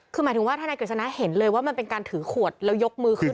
คือหมายถึงว่าทนายกฤษณะเห็นเลยว่ามันเป็นการถือขวดแล้วยกมือขึ้น